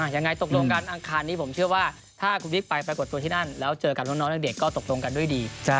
ยังไงตกลงกันอังคารนี้ผมเชื่อว่าถ้าคุณบิ๊กไปปรากฏตัวที่นั่นแล้วเจอกับน้องเด็กก็ตกลงกันด้วยดี